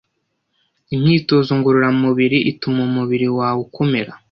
Imyitozo ngororamubiri ituma umubiri wawe ukomera.